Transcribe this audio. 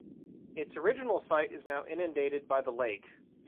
Its original site is now inundated by the lake.